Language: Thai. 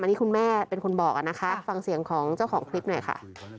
อันนี้คุณแม่เป็นคนบอกนะคะฟังเสียงของเจ้าของคลิปหน่อยค่ะ